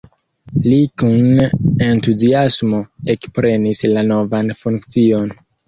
Li kun entuziasmo ekprenis la novan funkcion.